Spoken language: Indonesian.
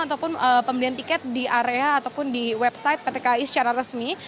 ataupun pembelian tiket di area ataupun di website pt kai secara resmi